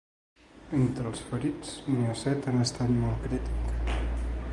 Entre els ferits, n’hi ha set en estat molt crític.